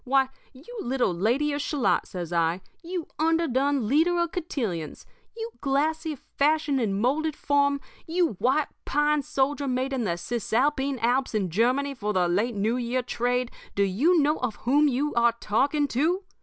Why, you little Lady of Shalott,' says I, 'you underdone leader of cotillions, you glassy fashion and moulded form, you white pine soldier made in the Cisalpine Alps in Germany for the late New Year trade, do you know of whom you are talking to?